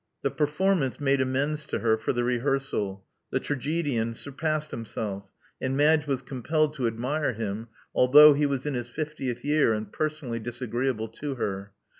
The performance made amends to her for the rehearsal. The tragedian surpassed himself; and Madge was compelled to admire him, although he was in his fiftieth year and personally disagreeable to her.